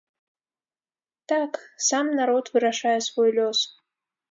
Так, сам народ вырашае свой лёс!